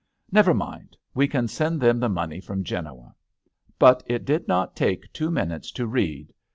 Never mind ; we can send them the money from Genoa." But it did not take two minutes to read.